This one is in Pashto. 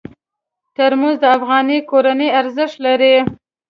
ترموز د افغاني کورونو ارزښت لري.